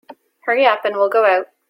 Hurry up and we'll go out.